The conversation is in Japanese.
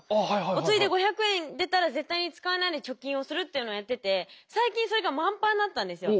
お釣りで５００円出たら絶対に使わないで貯金をするっていうのをやってて最近それが満杯になったんですよ。